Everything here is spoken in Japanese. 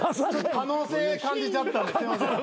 可能性感じちゃったんですいません